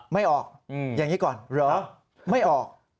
ไม่ออกอย่างนี้ก่อนเหรอไม่ออก